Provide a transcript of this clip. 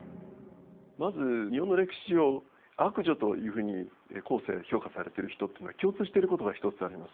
まず日本の歴史上悪女というふうに後世評価されてる人っていうのは共通してることが一つあります。